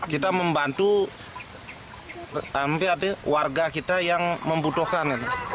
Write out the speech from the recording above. kita membantu warga kita yang membutuhkan